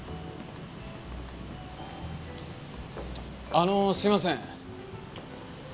あのすいません。